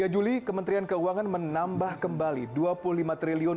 tiga juli kementerian keuangan menambah kembali rp dua puluh lima triliun